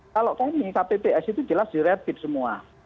kalau kami kpps itu jelas direpit semua